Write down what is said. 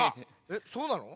えっそうなの？